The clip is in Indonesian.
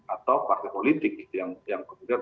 atau partai politik yang kemudian